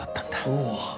おお。